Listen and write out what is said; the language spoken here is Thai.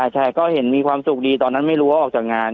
ใช่ก็เห็นมีความสุขดีตอนนั้นไม่รู้ว่าออกจากงาน